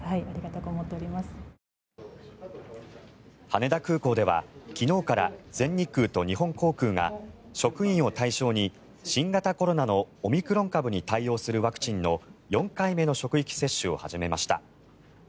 羽田空港では、昨日から全日空と日本航空が職員を対象に新型コロナのオミクロン株に対応するワクチンの４回目の職域接種を始めました。